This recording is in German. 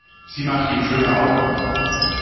Sie macht ihm schöne Augen.